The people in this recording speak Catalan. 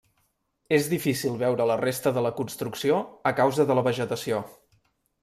És difícil veure la resta de la construcció a causa de la vegetació.